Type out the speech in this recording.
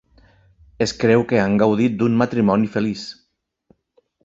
Es creu que han gaudit d'un matrimoni feliç.